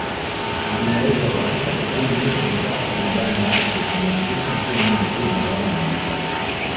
Inaelezwa katika kipindi hicho cha ujana wake alianzisha timu ya mpira wa miguu